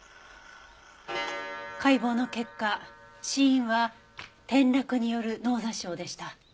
解剖の結果死因は転落による脳挫傷でした。